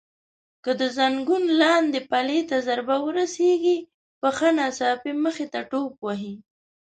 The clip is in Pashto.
که د زنګون لاندې پلې ته ضربه ورسېږي پښه ناڅاپي مخې ته ټوپ وهي.